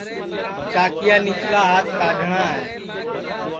چاکِیا نِیچلا ہات کاڈؔٹؔا ہے